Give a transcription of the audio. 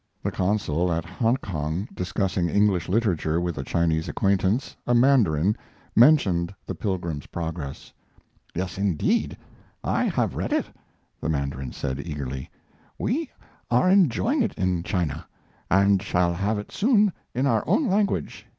The consul at Hongkong, discussing English literature with a Chinese acquaintance, a mandarin, mentioned The Pilgrim's Progress. "Yes, indeed, I have read it!" the mandarin said, eagerly. "We are enjoying it in China, and shall have it soon in our own language.